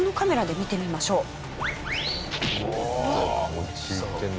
落ち着いてるな。